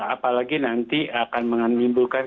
apalagi nanti akan menimbulkan